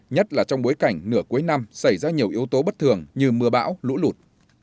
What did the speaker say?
nhất là trong bối cảnh nửa cuối năm xảy ra nhiều yếu tố bất thường như mưa bão lũ lụt